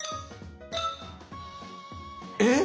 えっ！